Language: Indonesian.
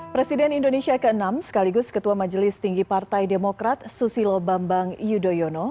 presiden indonesia ke enam sekaligus ketua majelis tinggi partai demokrat susilo bambang yudhoyono